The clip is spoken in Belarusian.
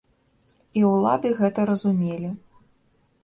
І ўлады гэта разумелі.